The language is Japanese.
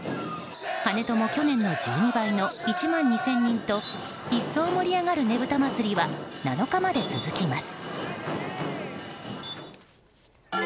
跳人も去年の１２倍の１万２０００人と一層盛り上がるねぶた祭は７日まで続きます。